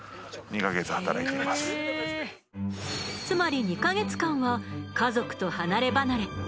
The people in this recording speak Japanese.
つまり２ヵ月間は家族と離れ離れ。